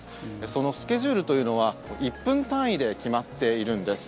そのスケジュールというのは１分単位で決まっているんです。